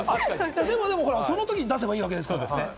でもその時に出せばいいわけです